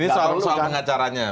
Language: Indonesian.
ini soal pengacaranya